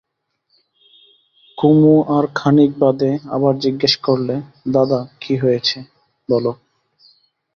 কুমু আর খানিক বাদে আবার জিজ্ঞাসা করলে, দাদা, কী হয়েছে বলো।